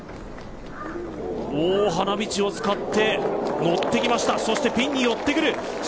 花道を使って、乗ってきましたそしてピンに寄ってくる。